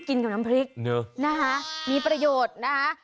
กินกับน้ำพริกนะคะมีประโยชน์นะคะ